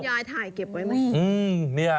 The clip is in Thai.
ยายถ่ายเก็บไว้ไหม